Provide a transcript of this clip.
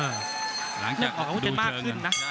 นี่หมอบจะมากขึ้นนะ